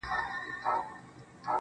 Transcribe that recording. ځيني يې سخت واقعيت ګڼي ډېر,